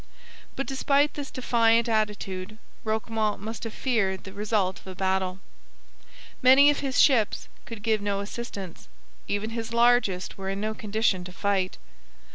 But despite this defiant attitude Roquemont must have feared the result of a battle. Many of his ships could give no assistance; even his largest were in no condition to fight.